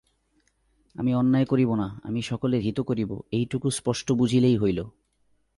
আমি অন্যায় করিব না, আমি সকলের হিত করিব, এইটুকু স্পষ্ট বুঝিলেই হইল।